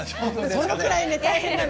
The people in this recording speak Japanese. そのくらい大変なの。